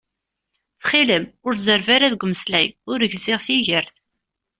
Ttxil-m ur zerreb ara deg umeslay, ur gziɣ tigert